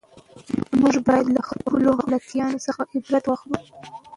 موږ باید له خپلو غلطیو څخه عبرت واخلو.